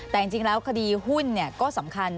แต่จริงแล้วคดีหุ้นก็สำคัญ